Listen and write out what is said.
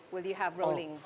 di jalanan dari tahun depan